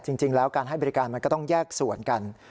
จริงแล้วการให้บริการมันก็ต้องแยกส่วนกัน